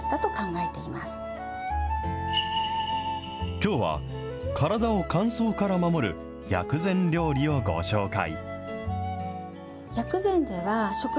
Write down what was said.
きょうは、体を乾燥から守る薬膳料理をご紹介。